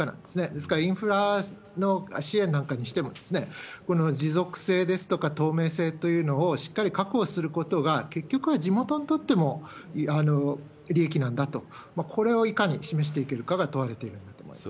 ですから、インフラの支援なんかにしても、この持続性ですとか、透明性というのをしっかり確保することが、結局は地元にとっても利益なんだと。これをいかに示していけるかが問われているんだと思います。